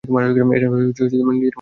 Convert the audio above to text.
এরা নিজেরা মরতে প্রস্তুত ছিল।